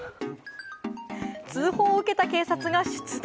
通報を受けた警察が出動。